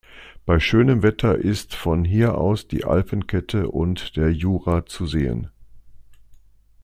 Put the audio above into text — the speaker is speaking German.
Bei schönem Wetter ist von hier aus die Alpenkette und der Jura zu sehen.